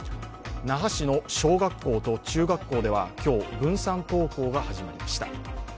那覇市の小学校と中学校では今日、分散登校が始まりました。